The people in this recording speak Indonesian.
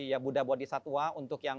ya buddha bodhisattva untuk yang